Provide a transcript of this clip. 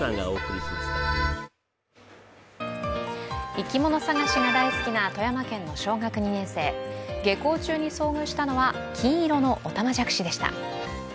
生き物探しが大好きな、富山県の小学２年生下校中に遭遇したのは金色のおたまじゃくしでした。